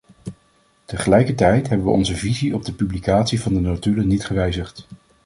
Tegelijkertijd hebben we onze visie op de publicatie van de notulen niet gewijzigd.